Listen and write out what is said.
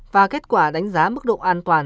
và kết quả đánh giá mức độ an toàn